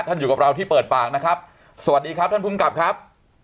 อยู่กับเราที่เปิดปากนะครับสวัสดีครับท่านภูมิกับครับ